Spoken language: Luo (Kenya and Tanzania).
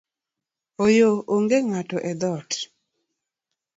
Ooyo, onge ng’ato edhoot